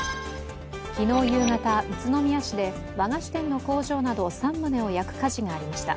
昨日夕方、宇都宮市で和菓子店の工場など３棟を焼く火事がありました。